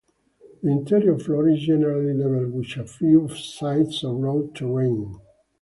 The interior floor is generally level, with a few sites of rough terrain.